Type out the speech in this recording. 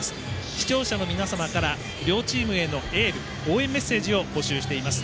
視聴者の皆様から両チームへのエール応援メッセージを募集しています。